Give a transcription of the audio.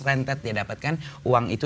rented dia dapatkan uang itu